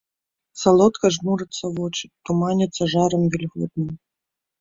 Салодка жмурацца вочы, туманяцца жарам вільготным.